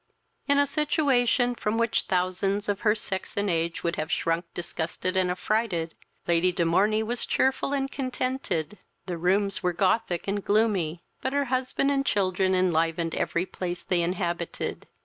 In a situation from which thousands of her sex and age would have shrunk disgusted and affrighted, Lady de Morney was cheerful and contented. The rooms were Gothic and gloomy, but her husband and children enlivened every place they inhabited.